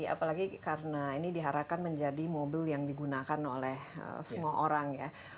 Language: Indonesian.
apalagi karena ini diharapkan menjadi mobil yang digunakan oleh semua orang ya